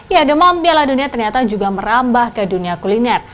ya demam piala dunia ternyata juga merambah ke dunia kuliner